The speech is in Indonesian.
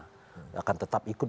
nggak akan tetap ikut